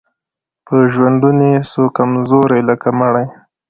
په ژوندوني سو کمزوری لکه مړی